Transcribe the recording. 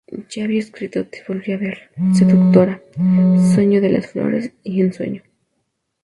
Ya había escrito "Te volví a ver", "Seductora", "Sueño de las Flores" y "Ensueño".